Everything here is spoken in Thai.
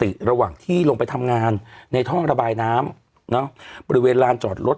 ระหว่างที่ลงไปทำงานในท่อระบายน้ำเนอะบริเวณลานจอดรถ